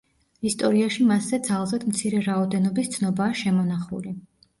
ისტორიაში მასზე ძალზედ მცირე რაოდენობის ცნობაა შემონახული.